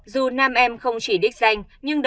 dù nam em không chỉ đích danh